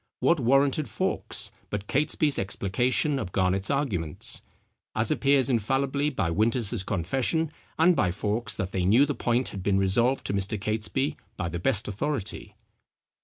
What warranted Faukes, but Catesby's explication of Garnet's arguments? As appears infallibly by Winter's confession, and by Faukes, that they knew the point had been resolved to Mr. Catesby, by the best authority."